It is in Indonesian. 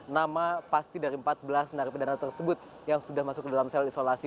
nama pasti dari empat belas narapidana tersebut yang sudah masuk ke dalam sel isolasi